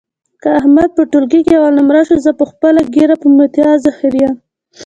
که احمد په ټولګي کې اول نمره شو، زه خپله ږیره په میتیازو خرېیم.